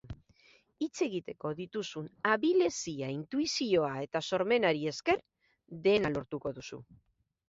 Hitz egiteko dituzun abilezia, intuizioa eta sormenari esker, dena lortuko duzu.